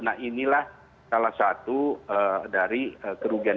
nah inilah salah satu dari kerugian